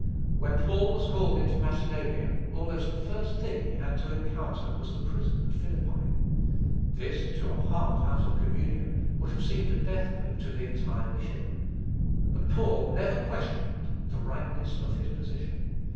When Paul was called into Macedonia, almost the first thing he had to encounter was the prison at Philippi. This, to a heart out of communion, would have seemed a death blow to the entire mission. But Paul never questioned the rightness of his position.